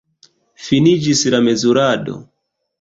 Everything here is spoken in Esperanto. Finiĝis la mezurado.